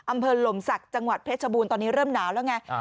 หล่มศักดิ์จังหวัดเพชรบูรณ์ตอนนี้เริ่มหนาวแล้วไง